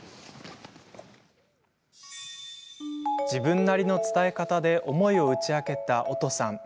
自分なりの伝え方で思いを打ち明けた、おとさん。